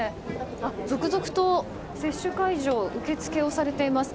続々と、接種会場で受け付けをされています。